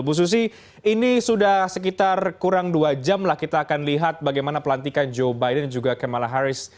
bu susi ini sudah sekitar kurang dua jam lah kita akan lihat bagaimana pelantikan joe biden dan juga kamala harris